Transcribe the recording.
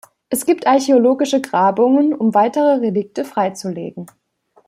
Es gibt archäologische Grabungen, um weitere Relikte freizulegen.